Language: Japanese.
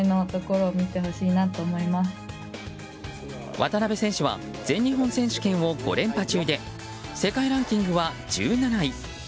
渡邉選手は全日本選手権を５連覇中で世界ランキングは１７位。